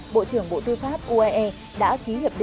bộ trưởng bộ tư pháp uae